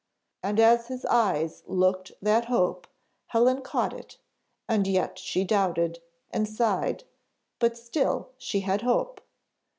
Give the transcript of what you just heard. And as his eyes looked that hope, Helen caught it, and yet she doubted, and sighed, but still she had hope.